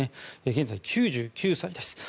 現在、９９歳です。